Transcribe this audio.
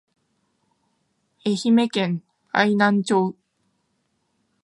愛媛県愛南町